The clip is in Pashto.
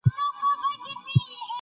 ذهني توازن پرېکړې اسانه کوي.